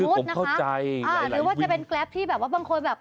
คือผมเข้าใจหลายวินหรือว่าจะเป็นกราฟที่แบบว่าบางคนแบบ